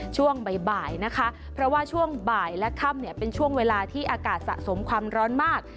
ช่วงบ่ายนะคะเพราะว่าช่วงบ่ายและค่ำเนี่ยเป็นช่วงเวลาที่อากาศสะสมความร้อนมาก